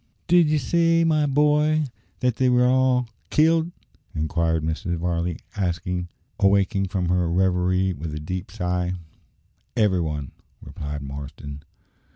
"Did ye say, my boy, that they were all killed?" inquired Mrs. Varley, awaking from her reverie with a deep sigh. "Every one," replied Marston.